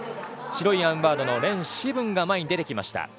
白いアームバンドのレン・シブン前に出てきました。